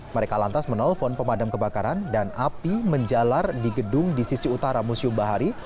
mereka lantas menelpon pemadam kebakaran dan api menjalar di gedung di sisi utara museum bahari